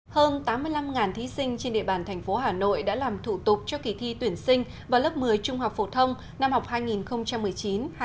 hơn tám mươi năm thí sinh trên địa bàn thành phố hà nội đã làm thủ tục cho kỳ thi tuyển sinh vào lớp một mươi trung học phổ thông năm học hai nghìn một mươi chín hai nghìn hai mươi